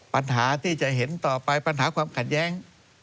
ปัญหาที่จะเห็นต่อไปปัญหาความขัดแย้ง